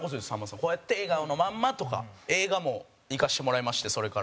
こうやって『笑顔のまんま』とか。映画も行かせてもらいましてそれから。